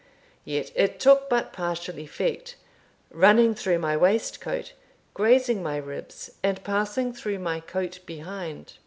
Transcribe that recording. Yet it took but partial effect, running through my waistcoat, grazing my ribs, and passing through my coat behind.